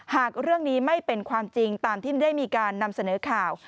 หากเรื่องนี้ไม่เป็นความจริงตามที่ได้มีการนำเสนอข่าว